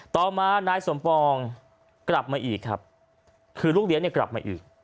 ต่อมานายสมปองกลับมาอีกครับคือลูกเลี้ยงเนี่ยกลับมาอีก